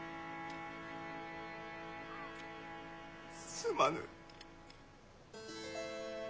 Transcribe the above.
すまぬ。